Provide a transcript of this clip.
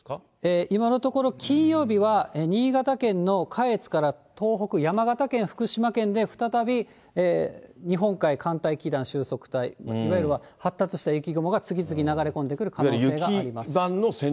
今のところ、金曜日は新潟県の下越から東北、山形県、福島県で、再び日本海寒帯気団収束帯、いわゆる発達した雪雲が次々に流れ込んでくる可能性があります。